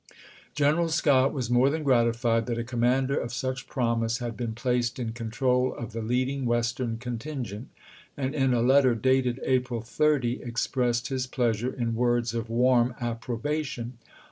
General Scott was more than gratified that a commander of such promise had been placed in control of the leading Western contingent, and in a letter dated April 30 expressed his pleasure serKii. in words of warm approbation.